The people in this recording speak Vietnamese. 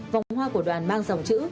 vòng hoa của đoàn mang dòng chữ